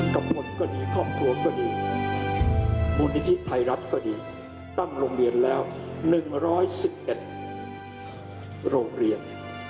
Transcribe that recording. ตำบลก็ดีครอบครัวก็ดีมูลนิธิไทยรัฐก็ดีตั้งโรงเรียนแล้ว๑๑๑โรงเรียน